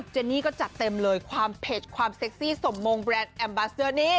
เจนี่ก็จัดเต็มเลยความเผ็ดความเซ็กซี่สมมงแบรนด์แอมบาเซอร์นี่